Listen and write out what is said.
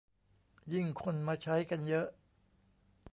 ยิ่งคนมาใช้กันเยอะ